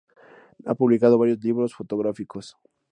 Ha publicado varios libros fotográficos.